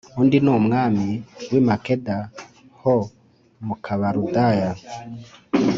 undi ni umwami w i makeda ho mubakarudaya